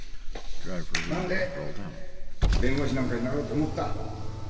何で弁護士なんかになろうと思った？